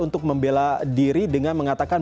untuk membela diri dengan mengatakan